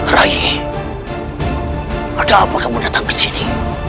rai kenapa kamu datang ke sini